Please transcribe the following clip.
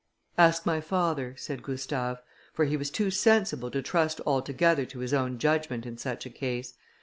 "Ask my father," said Gustave; for he was too sensible to trust altogether to his own judgment in such a case.